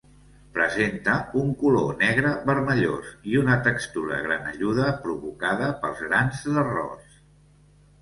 Presenta un color negre vermellós i una textura granelluda provocada pels grans d’arròs.